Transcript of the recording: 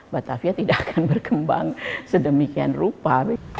batavia tidak akan berkembang sedemikian rupa